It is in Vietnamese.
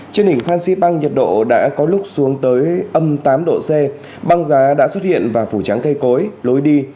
trên hình phan xí băng nhiệt độ đã có lúc xuống tới âm tám độ c băng giá đã xuất hiện và phủ trắng cây cối lối đi